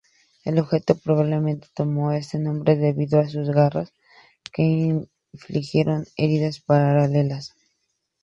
El objeto probablemente tomó este nombre debido a sus "garras", que infligieron heridas paralelas.